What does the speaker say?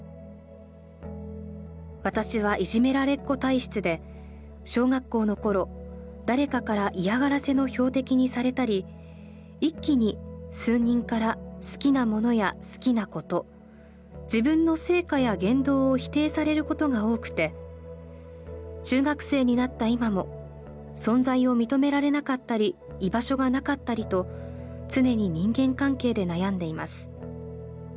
私はいじめられっ子体質で小学校の頃誰かから嫌がらせの標的にされたり一気に数人から好きなものや好きなこと自分の成果や言動を否定されることが多くて中学生になった今も存在を認められなかったり居場所が無かったりと常に人間関係で悩んでいます。